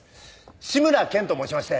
志村けんと申しまして。